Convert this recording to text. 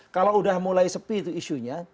kalau sudah mulai sepi itu isunya